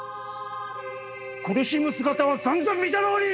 苦しむ姿はさんざん見たろうに！